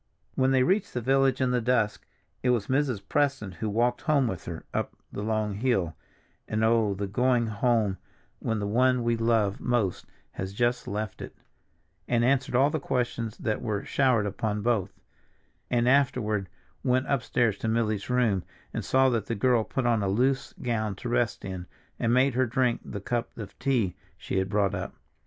When they reached the village in the dusk it was Mrs. Preston who walked home with her up the long hill (and, oh, the going home when the one we love most has just left it) and answered all the questions that were showered upon both, and afterward went upstairs to Milly's room and saw that the girl put on a loose gown to rest in, and made her drink the cup of tea she had brought up.